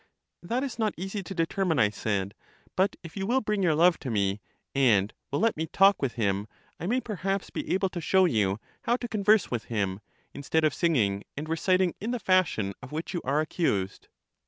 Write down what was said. That is not easy to determine, I said; but if you will bring your love to me, and will let me talk with him, I may perhaps be able to show you how to con verse with him, instead of singing and reciting in the fashion of which you are accused.